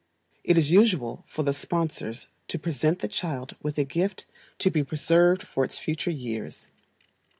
It is usual for the sponsors to present the child with a gift to be preserved for its future years.